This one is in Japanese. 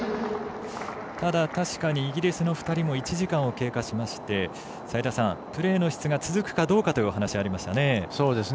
ただ、確かにイギリスの２人も１時間を経過しましてプレーの質が続くかというお話ありましたよね。